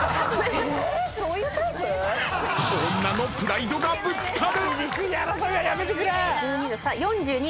［女のプライドがぶつかる！］